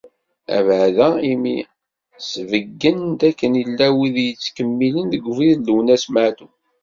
Abeɛda imi i d-tesbeyyen dakken llan wid yettkemmilen deg ubrid n Lwennas Meɛtub.